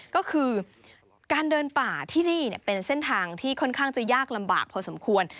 ก็คือการเดินป่าที่นี่เป็นเส้นทางที่ค่อนข้างจะยากลำบากพอสมควร